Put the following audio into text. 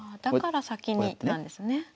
だから先になんですね。